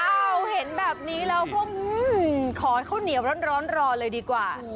ว้าวเห็นแบบนี้แล้วพวกขอข้าวเหนียวร้อนร้อนร้อนเลยดีกว่า